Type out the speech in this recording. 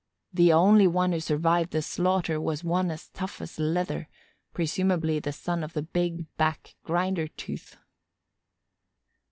The only one who survived the slaughter was one as tough as leather, presumably the son of the big back grinder tooth.